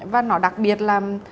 và nó đặc biệt là